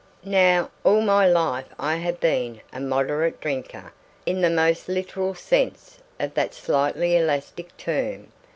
Now, all my life I have been a "moderate drinker" in the most literal sense of that slightly elastic term.